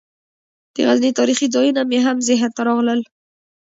د غزني تاریخي ځایونه مې هم ذهن ته راغلل.